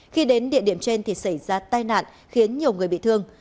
khi đến địa điểm trên thì xảy ra tai nạn khiến nhiều người bị thương